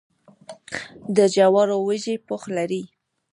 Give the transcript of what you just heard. د جوارو وږی پوښ لري.